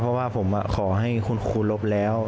เพราะว่าผมขอให้คุณครูลบแล้ว